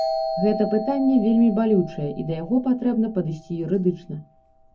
Гэта пытанне вельмі балючае, і да яго патрэбна падысці юрыдычна.